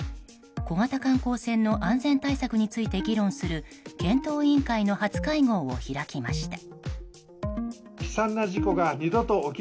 小型観光船の安全対策について議論する検討委員会の初会合を開きました。